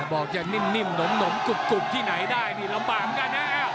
บอกจะนิ่มหนมกุบที่ไหนได้มีลำบากันนะ